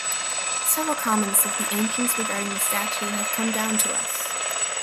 Several comments of the ancients regarding the statue have come down to us.